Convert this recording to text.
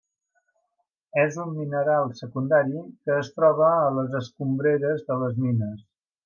És un mineral secundari que es troba a les escombreres de les mines.